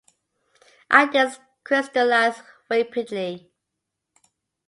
Ideas crystallized rapidly.